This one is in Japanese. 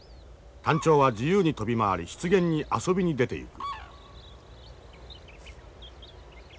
タンチョウは自由に飛び回り湿原に遊びに出ていく。